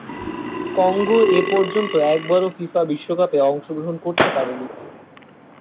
Congo এপর্যন্ত একবারও FIFA বিশ্বকাপে অংশগ্রহণ করতে পারেনি।